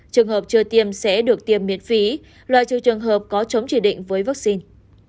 trường hợp chưa tiêm sẽ được tiêm miễn phí loại trừ trường hợp có chống chỉ định với vaccine